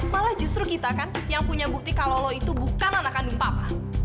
malah justru kita kan yang punya bukti kalau lo itu bukan anak kandung papa